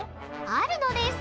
あるのです！